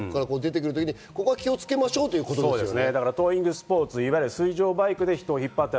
出てくるときに気をつけましょうということですね。